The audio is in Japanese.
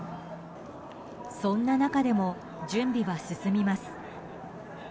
そんな中でも準備は進みます。